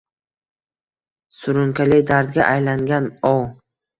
Surunkali dardga aylangan o